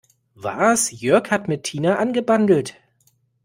Was, Jörg hat mit Tina angebandelt?